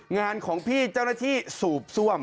งานของพี่เจ้าหน้าที่สูบซ่วม